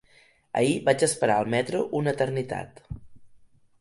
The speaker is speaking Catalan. Ahir vaig esperar el metro una eternitat.